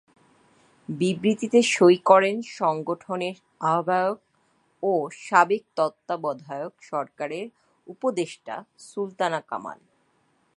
বিবৃতিতে সই করেন সংগঠনের আহ্বায়ক ও সাবেক তত্ত্বাবধায়ক সরকারের উপদেষ্টা সুলতানা কামাল।